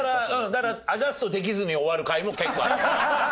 だからアジャストできずに終わる回も結構ある。